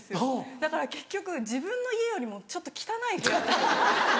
だから結局自分の家よりもちょっと汚い部屋。